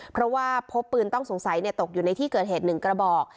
เพราะว่าพบปืนต้องสงสัยตกอยู่ในที่เกิดเหตุ๑กระบอก